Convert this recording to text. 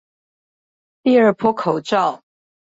第二波口罩